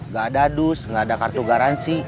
gak ada dus gak ada kartu garansi